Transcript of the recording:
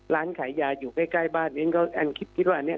ร้านขายยาอยู่ใกล้บ้านเองก็อันคิดว่าอันนี้